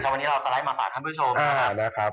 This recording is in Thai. วันนี้เราสไลด์มาฝากท่านผู้ชมนะครับ